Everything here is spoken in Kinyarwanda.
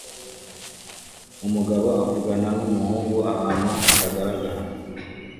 Umugabo avugana numuhungu ahantu hatagaragara